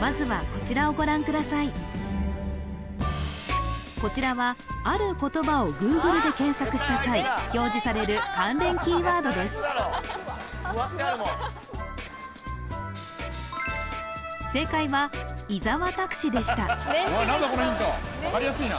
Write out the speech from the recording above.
まずはこちらはある言葉をＧｏｏｇｌｅで検索した際表示される関連キーワードです正解は伊沢拓司でした何だこのヒントわかりやすいな